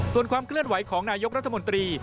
ส่วนความเคลื่อนไหวของนายกรัฐมนตรี